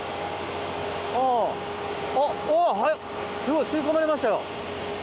すごい、吸い込まれましたよ！